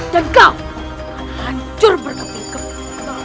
dan kau akan hancur berkeping keping